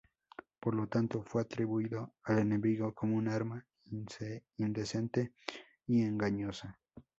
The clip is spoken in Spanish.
Por lo tanto, fue atribuido al enemigo como un arma indecente y engañosa.